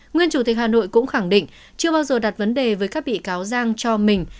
nguyên chủ tịch hà nội cũng khẳng định chưa bao giờ đặt vấn đề với các bị cáo giang cho mình